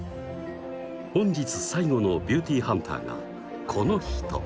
本日最後のビューティーハンターがこの人！